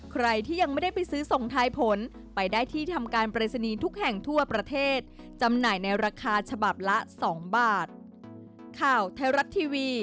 ใครที่ยังไม่ได้ไปซื้อส่งทายผลไปได้ที่ทำการปริศนีย์ทุกแห่งทั่วประเทศจำหน่ายในราคาฉบับละ๒บาท